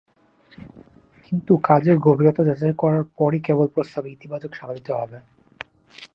কিন্তু কাজের গভীরতা যাচাই করার পরই কেবল প্রস্তাবে ইতিবাচক সাড়া দিতে হবে।